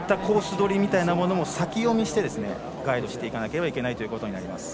取りみたいなものも先読みしてガイドしていかなければいけないことになります。